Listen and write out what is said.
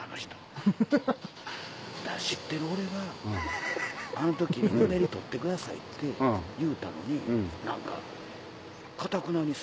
知ってる俺があの時ぬめり取ってくださいって言うたのに何かかたくなにさ。